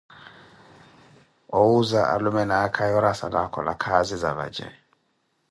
Owuuza alume ni aakha yoori asala akhola khaazi za vace.